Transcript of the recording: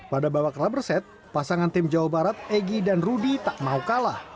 pada babak rubber set pasangan tim jawa barat egy dan rudy tak mau kalah